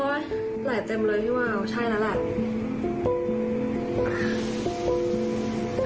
โอ๊ยไหล่เต็มเลยพี่วาวใช่แล้วแหละ